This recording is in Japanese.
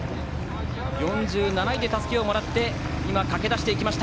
４７位でたすきをもらって駆け出していきました。